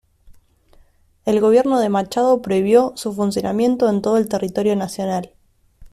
El gobierno de Machado prohibió su funcionamiento en todo el territorio nacional.